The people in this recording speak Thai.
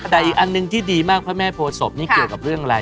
แต่อีกอันหนึ่งที่ดีมากพระแม่โพศพนี่เกี่ยวกับเรื่องอะไร